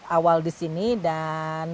awal di sini dan